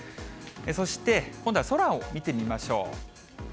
そして今度は空を見てみましょう。